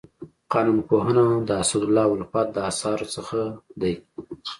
قانون پوهنه د اسدالله الفت د اثارو څخه دی.